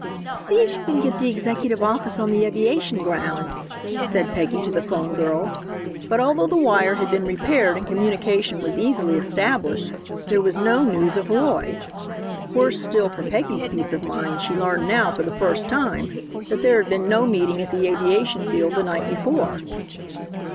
"See if you can get the executive office on the aviation grounds," said Peggy to the 'phone girl. But although the wire had been repaired and communication was easily established, there was no news of Roy. Worse still for Peggy's peace of mind, she learned now, for the first time, that there had been no meeting at the aviation field the night before.